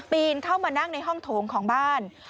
เข้ามานั่งในห้องโถงของบ้าน